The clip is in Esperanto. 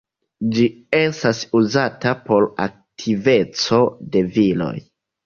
Ĝi estas uzata por aktiveco de viroj.